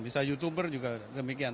bisa youtuber juga demikian